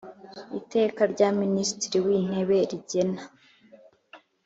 Iteka rya Minisitiri w Intebe rigena